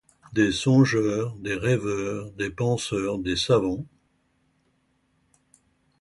Des songeurs, des rêveurs, des penseurs, des savants